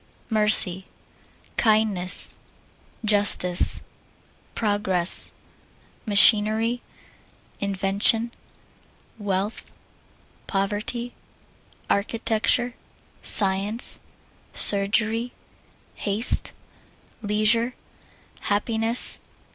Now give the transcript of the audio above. Mercy. Kindness. Justice. Progress. Machinery. Invention. Wealth. Poverty. Agriculture. Science. Surgery. Haste. Leisure. Happiness.